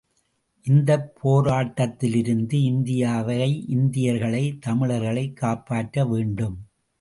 இந்தப் போராட்டத்திலிருந்து இந்தியாவை இந்தியர்களை தமிழர்களைக் காப்பாற்ற வேண்டும்.